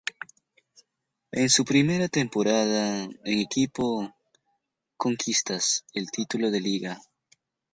En su primera temporada en el equipo conquista el título de Liga.